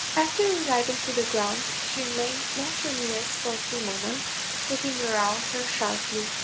After arriving to the ground, she remained motionless for a few moments, looking around her sharply.